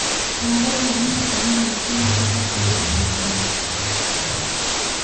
viongozi wa nchi za nje wanapenda sana kutembelea tanzania